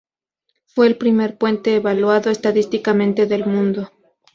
Fue el primer puente evaluado estadísticamente del mundo.